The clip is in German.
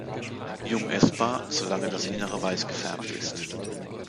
Jung essbar, solange das innere weiß gefärbt ist.